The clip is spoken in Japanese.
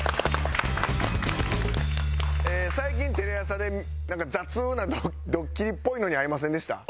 最近テレ朝でなんか雑なドッキリっぽいのに遭いませんでした？